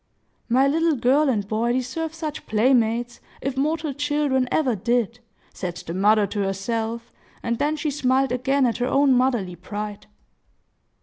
"My little girl and boy deserve such playmates, if mortal children ever did!" said the mother to herself; and then she smiled again at her own motherly pride.